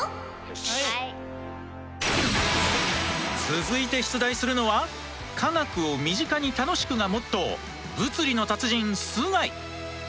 続いて出題するのは科学を身近に楽しくがモットー物理の達人須貝。